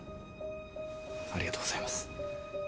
ありがとうございます。